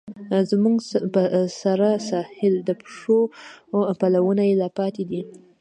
زموږ په سره ساحل، د پښو پلونه یې لا پاتې دي